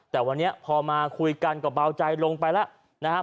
แต่วันนี้พอมาคุยกันก็เบาใจลงไปแล้วนะครับ